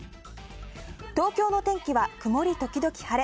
東京の天気は曇り時々晴れ。